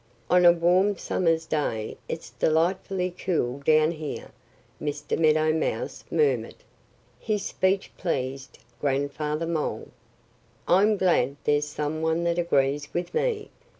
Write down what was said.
"On a warm summer's day it's delightfully cool down here," Mr. Meadow Mouse murmured. His speech pleased Grandfather Mole. "I'm glad there's some one that agrees with me!"